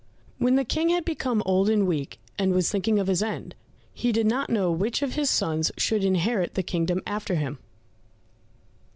When the King had become old and weak, and was thinking of his end, he did not know which of his sons should inherit the kingdom after him.